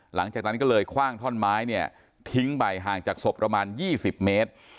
หลังจากนั้นก็เลยคว่างท่อนไม้เนี่ยทิ้งไปห่างจากศพประมาณ๒๐เมตร